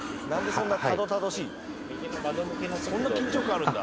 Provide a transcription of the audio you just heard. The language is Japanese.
そんな緊張感あるんだ。